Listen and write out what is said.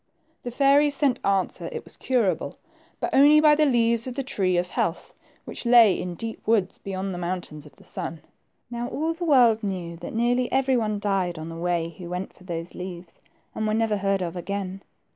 The fairies sent answer it was curable, but only by the leaves of the tree of health, which lay in deep woods beyond the Moun tains of the Sun. Now all the world knew that nearly every one died on the way who went for those leaves, and were never heard of again.